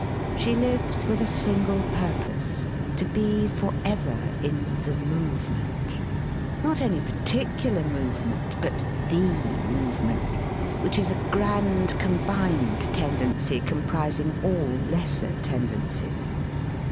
She lives with a single purpose — to be for ever in the movement —not any particular movement, but the move ment, which is a grand combined tendency com prising all lesser tendencies.